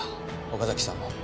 岡崎さんを。